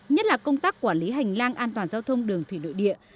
nhất là công tác quản lý hành lang an toàn giao thông đường thủy nội địa